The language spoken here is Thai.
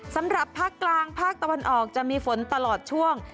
สำหรับภาคกลางภาคตะวันออกจะมีฝนตลอดช่วง